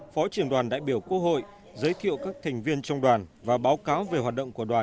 phó trưởng đoàn đại biểu quốc hội giới thiệu các thành viên trong đoàn và báo cáo về hoạt động của đoàn